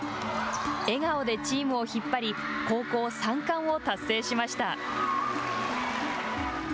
笑顔でチームを引っ張り高校三冠を達成しました。